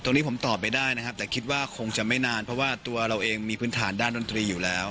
ตรงนี้ผมตอบไปได้นะครับแต่คิดว่าคงจะไม่นานเพราะว่าตัวเราเองมีพื้นฐานด้านดนตรีอยู่แล้ว